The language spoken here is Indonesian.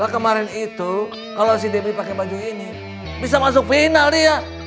kemarin itu kalau si debbie pakai baju ini bisa masuk final dia